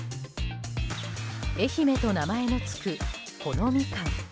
愛媛と名前の付くこのミカン。